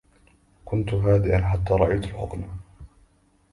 كنت هادئا حتى رأيت الحقنةَ